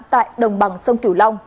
tại đồng bằng sông cửu long